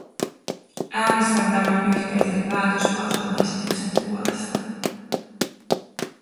Äänestän tämän yhteisen päätöslauselmaesityksen puolesta.